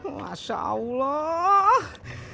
wah insya allah